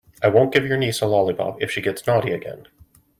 I won't give your niece a lollipop if she gets naughty again.